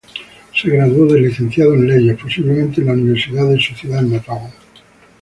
Se graduó de Licenciado en Leyes, posiblemente en la Universidad de su ciudad natal.